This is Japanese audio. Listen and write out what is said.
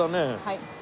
はい。